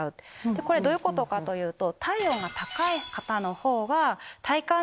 これどういうことかというと。